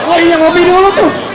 wah iya ngopi dulu tuh